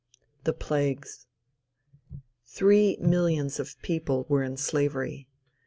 XXII. THE PLAGUES Three millions of people were in slavery.